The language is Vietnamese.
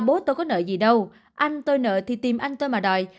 bốt tôi có nợ gì đâu anh tôi nợ thì tìm anh tôi mà đòi